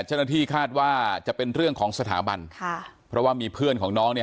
เจ้าหน้าที่คาดว่าจะเป็นเรื่องของสถาบันค่ะเพราะว่ามีเพื่อนของน้องเนี่ย